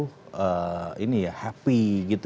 tapi tidur malam itu ini ya happy gitu